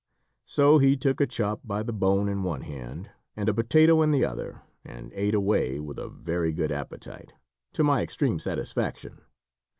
So he took a chop by the bone in one hand, and a potato in the other, and ate away with a very good appetite, to my extreme satisfaction.